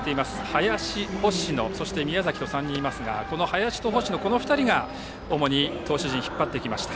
林、星野、宮崎と３人いますがこの林と星野の２人が主に投手陣を引っ張ってきました。